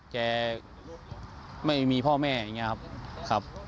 แกไม่มีพ่อแม่อย่างนี้ครับ